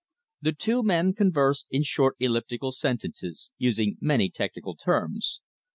The two men conversed in short elliptical sentences, using many technical terms.